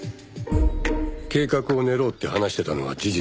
計画を練ろうって話してたのは事実ですよ。